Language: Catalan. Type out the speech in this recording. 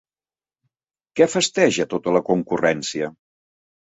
Què festeja tota la concurrència?